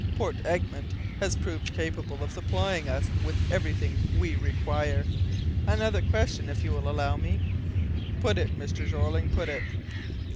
Port Egmont has proved capable of supplying us with everything we require." "Another question, if you will allow me?" "Put it, Mr. Jeorling, put it."